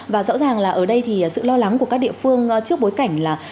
và rõ ràng là ở đây thì sự lo lắng của các địa phương trước bối cảnh là